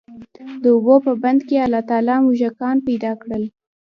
د اوبو په بند کي الله تعالی موږکان پيدا کړل،